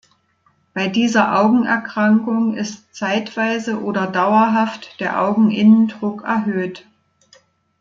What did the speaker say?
Bei dieser Augenerkrankung ist zeitweise oder dauerhaft der Augeninnendruck erhöht.